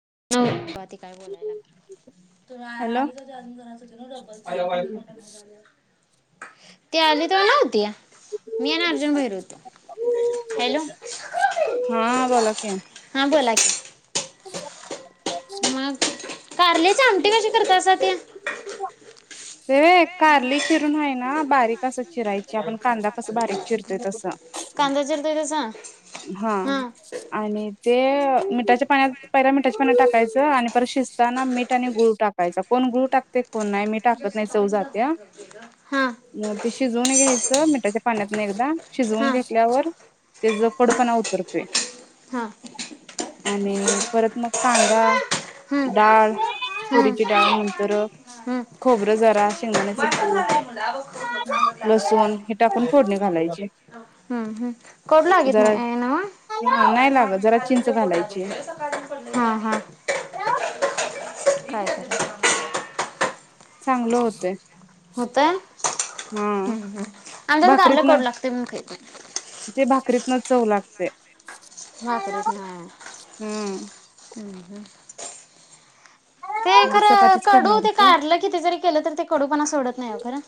[unintelligible] ती काय बोलाय लागलीया. हॅलो ते आली तेव्हा नव्हती. मी आणि अर्जुन बाहेर होतो. हॅलो हा बोला की [inaudible] हां बोला मग कारल्याची आमटी कशी करतासा ती? [inaudible] ते कारली चिरून हाय ना बारीक अशा चिरायच्या आपण कांदा कस बारीक चिरतोय तस कांदा चिरताय तसा हा हां आणि ते मिठाच्या पाण्यात पहिला मिठाच्या पाण्यात टाकायच आणि परत शिजताना मीठ आणि गुळ टाकायचा. कोण गुळ टाकतय. पण नाही मी टाकत नाही चव जातिया. हां म ते शिजवून घ्यायच मीठाच्या पाण्यातन एकदा शिजवून हां घेतल्यावर तेज कडू पणा उतरतोय. हा आणि परत मग कांदा हं डाळ हं तुरीची त्यानंतर हं खोबर जरा शेंगदाण्याचा बाजार झालंय म्हणलं कुट, आ बघ खाऊन बघ आंबट लागायला लागलंय लसून बघ. हे टाकून फोडनी घालायची. हं ह कडू लागत जरा नाही नव्ह? नाही लागत जरा चिंच घालायची. सकाळी पडलंय हां हां चालतंय चांगल होतय. हा [unintelligible] कारल भाकरीतन कडू लागतयं म्हणून खाईत नाहित. रीतन चव लागतंय. [inaudible] [inaudible] ते खर चपातीच कडू करणार ते होतो कारल किती जरी केल तरी कडू पणा सोडत नाही ओ खर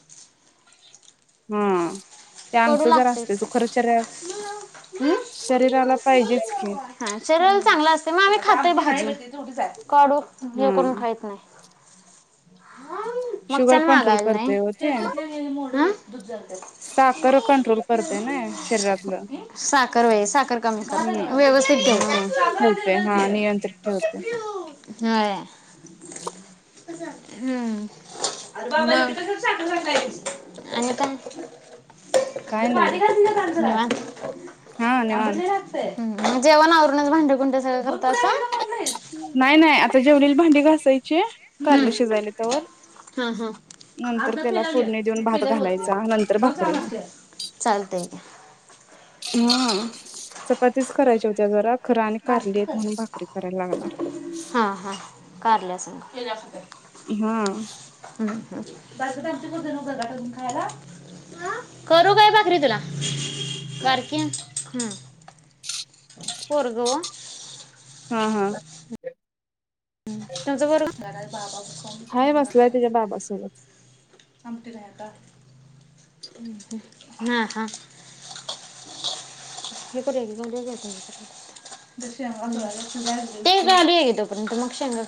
हा ते कडू अंगठ जर असते तो लागतयचं खरं शरीरा ते हम्म शरीराला पाहिजेच की शरीराला चांगल आसतय म आम्ही खातोय भाजुन [unintelligible] हाय. कडू हे करून हम्म खाईत नाही. शुगर मागच्याळेला कंट्रोल मागायला नाई करते हो तेल ते चटणी आणलेली मोड आ दुध जातय खर कंड्रोल करतय नय शरिरातल हम्म् साखर व्हय साखर कमी करते. व्यवस्थित हा ठेवतंय ठेवते. नियंत्रित ठेवतय. होय. हम्म म आणि काय? काय नाही पाणी [inaudible] निवांत हा आंबट लय निवांत लागतय. ह जेवण आवरूनच सगळ भांडी कुंडी करत असाल [inaudible] नाय नाय आता जेव भांडी घासायचिये? हम्म कारलं शिजयला तवर हा हा. नंतर अर्धा त्याला पेला घे फोडणी देऊन भात पेल्यात ओतूया घालायचा नंतर तवा चांगला भाकरी मग लागतंय. चालतंय की. हं [unintelligible] खरच आणि कारली बारकं आहेत म्हणुन कर. भाकरी करायला लागणार हा हा करल्या स [inaudible] हे जास्तय! हुं! करू काय भाकरी तुला? बारक्या हं पोरग व. हा हा! [unintelligible] की हाय, बसलाय निवांत. त्याचा बाबा सोबत. [unintelligible] [unintelligible]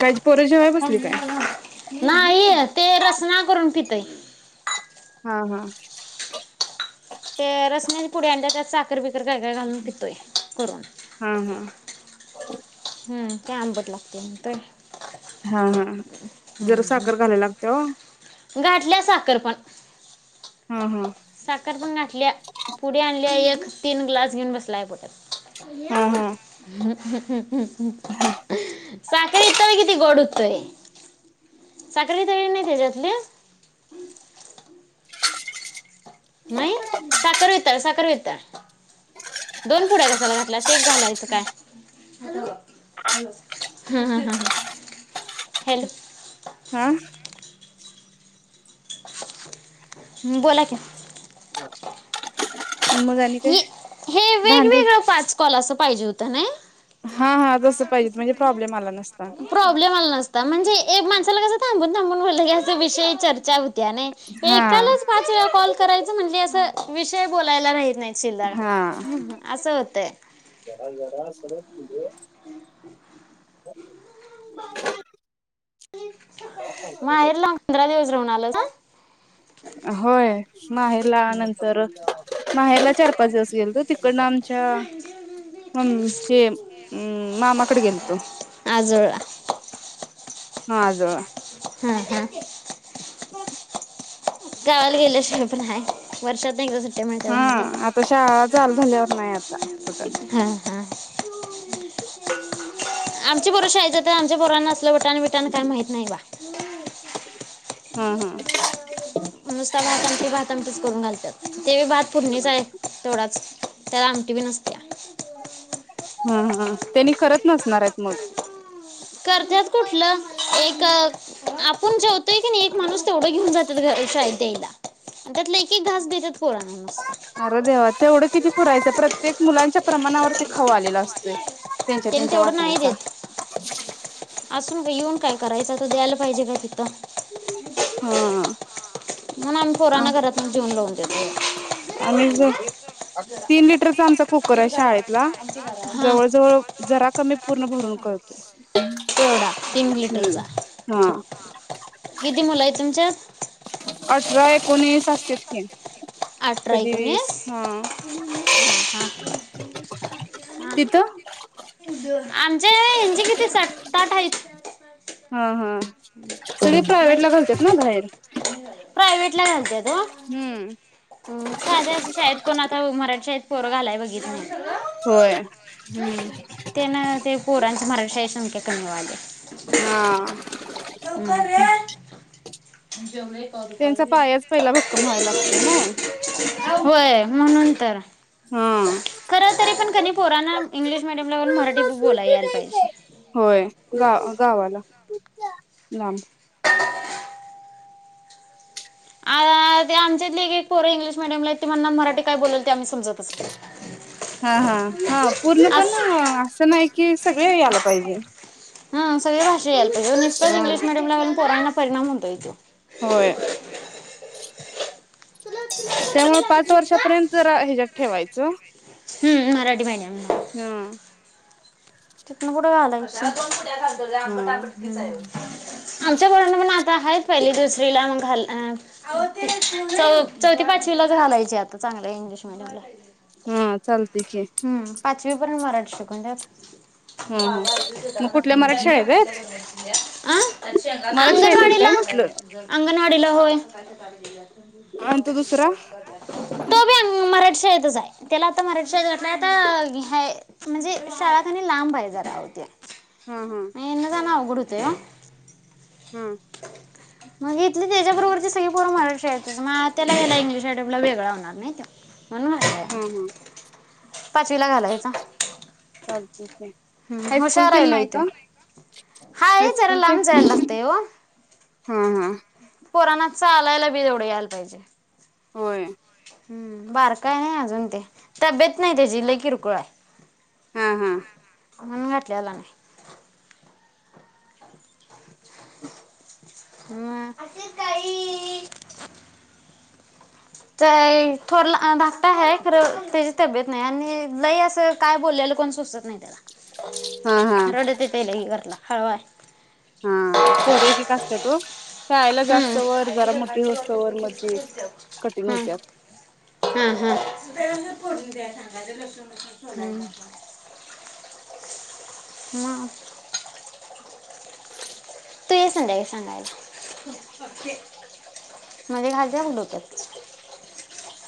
काय पोरं जेवाय बसली काय ते रसना करून पितंय [inaudible] हा हा ते रसण्याच्या पुड्या आणल्या त्यात साखर बी काय काय घालूयन पितोय करून हा हा हं! काय आंबट लागतय म्हणतय. हा हा जरा साखर घालायला लागते हो? घातल्या साखर पण. हा हा साखर पण गाठल्या पुढे आणल्या एक तीन ग्लास घेऊन बसलाय बोटात. हा हा [unintelligible] हुं हुं! [unintelligible] साखर वितळी नाय त्याच्यातली? नाय साखर वितल साखर वि दोन पुड्या कशाला घातल्यास एक घालायच काय हं हं हॅलो. [inaudible] [inaudible] बोला की मग आणि काय हे हे भांडी वेगवेगळ पाच कॉल अस पायजे हो [unintelligible] हा हा तस पाहिजेत म्हणजे प्रॉब्लेम आला नस प्रॉब्लेम आला नसता म्हणजे ते माणसाला कस थाबून बोललं कि का अस विषय चर्चा होती हा एकालाच पाच वेळा कॉल कराय म्हणजे असं विषय बोलायला रहित नाही शिल्लक ह ह हा असं होतंय [inaudible] माहेरला पंधरा दि फिरून आलास ना होय माहेरला आल्या नंतर माहेरला चार पाच दिवस गेलतो तिकडन आमच्या म मामाकडे गेलतो आजोळा हा आज हा हा गावाला गेले आहे वर्षातून एकदाच जात हा आता शाळा चालू झाल्यावर नाय आता. हा आमची पोर शाळेत जातात आमच्या पोरांना उठान विटान काय माहित नय बाबा [inaudible] हा हा नुसतं भात आमटी, भात आमटी च करून घालते ते बी भात फोडणीचा आहे तेवढाच आमटी बी नसतीय हा हा तेनी करत नसणार आहेत मग. करत्यात कुठलं एक आं आपुन जेवतोय कणी एक माणूस तेवढं घेऊन जात्यात शाळेंत देयला. त्यातला एक एक घास देतात पोरांना नुसता आर देवा तेवढं किती किती पुरायचं प्रत्येक मुलांच्या प्रमाणावर खाऊ आलेला असतोय. त्यांच्या तेनी त्यांच्या तेवढं नय वाटणीचा देत असून येऊन काय? करायचं तर द्यायला पाहिजे का तिथं हा म्हणून आमी पोरांना घरातून जेवून लावून देतो [unintelligible] अम्याझोन तीन लिटरचा आमचा कु परंय शाळेतला हां जवळ-जवळ जरा कमी मी पूर्ण भरून करतोयच. तेवढा तीन लिटरचा हम्म हा [unintelligible] किती मुलायत तुमच्यात? अठरा एकोणीस असत्यात की अठरा कधी वीस एकोणीस हा हा तिथं हा आमचे ह्यांचे किती सात आठ हायत. हा हा सगळे प्रायव्हेट म्हजे ला घालतात ना बाहेर प्रायावेटला घालत्यात ओ हम्म हम्म साध्या असं शाळेत कोण आता मराठी शाळेत पोरगा आलाय बघितलं होय होय हम्म तेन ते पोरांचा मराठी शाळेत सांके [unintelligible] हा लवकर रे जेवले त्यांचा पायाच पहिला भक्कम व्हायला लागतोय ना होय म्हणून तर हा खरं तरी पण कणी पोरांना इंग्लिश मिडियमला पण मराठी बोलाय यायला पाहिजे होय गावाला कुट लांब आ ते आमच्यातली एक एक पोरं इंग्लिश मिडीयमला हायत ती मराठी काय बोललं ते आमी समजतंच नाय हा-हा-हा पूर्ण पण असं नाही की सगळी याला पाहिजे हा सगळ्या भाषा जे नुसतं चं हा इंग्लिश मिडीयमला घालून पोरांना परिणाम होतोय त्यो त्यामुळं पाच वर्षापर्यंत जरा ह्यज्यात ठेवायचं हम्म मराठी महिना हा तिथंन कुठ झालाय हुशार हा [unintelligible] आमच्या पोरांना पण आता हायत पहिली दुसरीला म-घा-अ चौ चौथी पाचवीलाच घालायची आता चांगल्या इंग्लिश मिडीयमला हा चाल हम्म पाचवी पर्यंत शिकुंद्यात [unintelligible] [unintelligible] [unintelligible] तो हा हा मग इथंच कुठल्या मराठी शाळेत आहेत मराठी शाळेत आहेत काय म्हटलं आणि तो दुसरा आहे त्याला अता मराटी शाळेत... नाहीत आहे मंजे शाळा कणी लांब आहे जरा अहो ते..... हं हं [unintelligible] हं मं इथली त्याच्याबरोबरची सगळी पोरं मराठी शाळेत आहेत. मं त्याला याला इंग्लिश मीडियमला वेगळा होणार. नाही का? हम्म हम्म पाचवीला घालायचा चालती हं हुशार हाय लय त्यो, आहे जरा हायस्कूल लांब जाया लागतंय ओ हं हं पोरांना चालायला बी एवढं यायला पाहिजे.. होय हम्म बारका आहे अजून ते तब्येत नाही त्याची लई किरकोळ आहे.. हा हा... [unintelligible] मं थोरला अ धाकटा आहे खरं त्याजी तब्येत नही आणी लयी असं काय बोल्याललं कोण सुचत नाही हा हा त्याला रडत येतंय लयी वरला हळवा हाय हा पोर एकिक असत्यात ओ शाळेला जस हम्म. तवर जरा मोठी होस्तवर म ती कठीण.... हा होत्यात हा हा हा..... हम्म म तु ये संध्याकाळी सांगायला [unintelligible]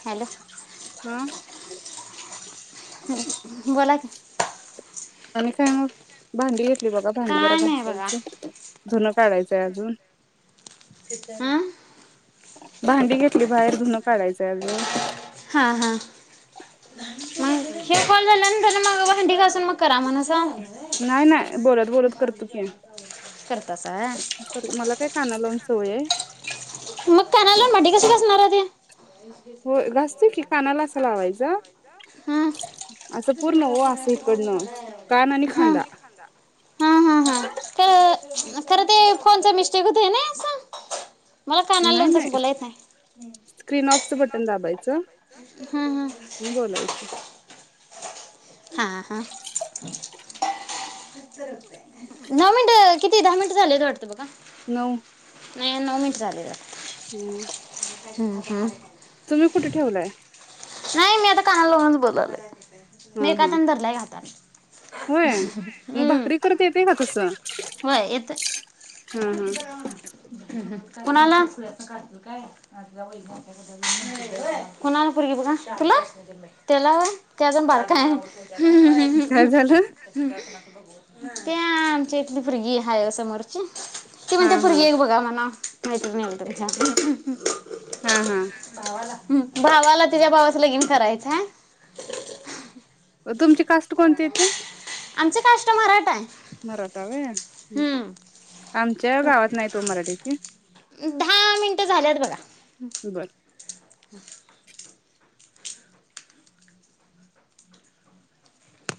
हॅलो हम्म [inaudible] बोला की आणी काय मंग भांडी.. ही बगा भांडी जरा काय नाही बघा घासायचं धुनं काढायचय अजून हां भांडी घेतली बाहेर धुनं काढायचय अजून हां एक कॉल झाला न म्हणून मंग भांडी घासून मंग करा म्हणा सा नाही नाही बोलत बोलत करतो की करतासा व्हय. मला काय कानाला लाऊन चोये मग कानाला लाऊन भांडी घासत बसणारे ते असतय की कानाला असं लावायचं हम्म असं पूर्ण हो असं इकडनं कान आणि खांदा हम्म ते नाहीतर ते फोनच मिस्टेक होतय नाय अस मला कानाला नाही लावून तस नाही बोलता येत नाही स्क्रीन ऑफचं पिन आउटचं बटन दाबायचं दाबायचं हम्म हम्म आणि बोलायचं हा हा दहा मिनिटं किती दहा मिनिटे झालेत वाटतं बघा. नऊ नाय ना मी चालेल हम्म हम्म, हम्म. नाही मी आता कानाला लावूनच बोलायलोय. मी हा एका हा हाताण धरलय या आता होय मग हम्म, भाकरी करत येते का तसं होय येतय. हा हा कुणाला पोरगी बघा तुलाच त्याला ते अजून बारकं आहे. काय झालं. ते आमच्या इथली पुरगी हाय समोरची ते हा म्हणतय हा पोरगी एक बघा म्हणा. [unintelligible] हा हा हम्म भावाला तुझ्या भावा तुला बी करायचय म तुमची कास्ट कोणती येते [inaudible] आमचं कास्ट मराठा ये मराठा व्हय हम्म आमच्या गावात नाही तो मराठी ठी दहा मिनिट झालेत बघा. बर [inaudible]